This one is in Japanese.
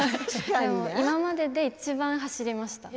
今まででいちばん走りました。